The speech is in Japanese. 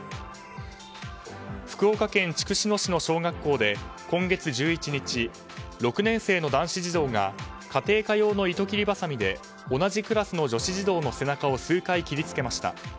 福岡県筑紫野市の小学校で今月１１日、６年生の男子児童が家庭科用の糸切りばさみで同じクラスの女子児童の背中を数回切りつけました。